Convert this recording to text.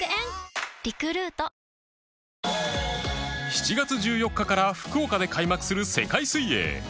７月１４日から福岡で開幕する世界水泳